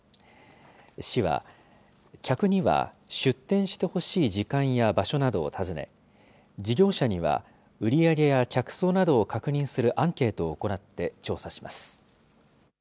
市は、客には出店してほしい時間や場所などを尋ね、事業者には、売り上げや客層などを確認するアンケートを行って調査します。